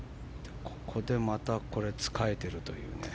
ここでまた、つかえてるという。